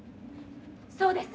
そうです。